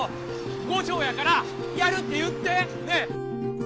後生やからやるって言ってねえ